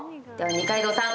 二階堂さん！？